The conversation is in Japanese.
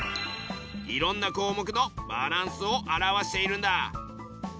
いろんな項目のバランスを表しているんだ！